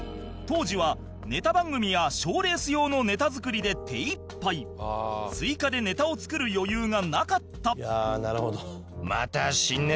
当時はネタ番組や賞レース用のネタ作りで手いっぱい追加でネタを作る余裕がなかった